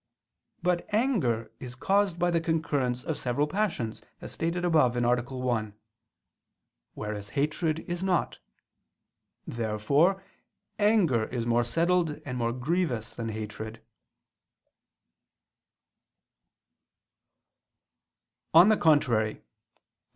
But anger is caused by the concurrence of several passions, as stated above (A. 1): whereas hatred is not. Therefore anger is more settled and more grievous than hatred.